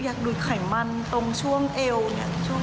ดูดไขมันตรงช่วงเอวเนี่ย